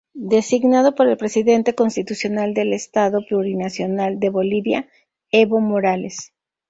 Designado por el Presidente Constitucional del Estado Plurinacional de Bolivia, Evo Morales.